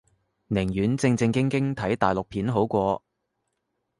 寧願正正經經睇大陸片好過